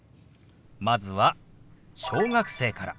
まずは小学生から。